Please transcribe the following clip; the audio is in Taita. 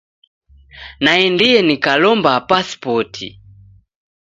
Naendie nikalomba pasipoti.